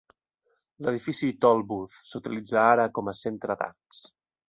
L'edifici Tolbooth s'utilitza ara com a Centre d'Arts.